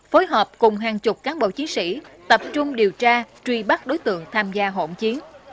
phối hợp cùng hàng chục cán bộ chiến sĩ tập trung điều tra truy bắt đối tượng tham gia hộn chiến